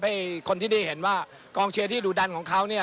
ให้คนที่ได้เห็นว่ากองเชียร์ที่ดุดันของเขาเนี่ย